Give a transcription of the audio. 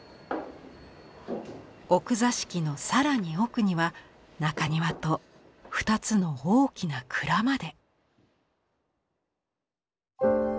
奥座敷の更に奥には中庭と２つの大きな蔵まで。